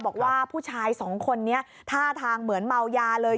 บอกว่าผู้ชายสองคนนี้ท่าทางเหมือนเมายาเลย